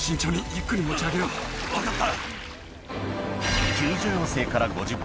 分かった。